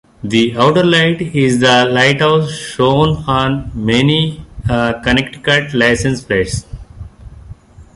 The Outer Light is the lighthouse shown on many Connecticut license plates.